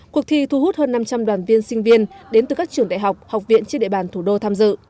cuộc thi thu hút hơn năm trăm linh đoàn viên sinh viên đến từ các trường đại học học viện trên địa bàn thủ đô tham dự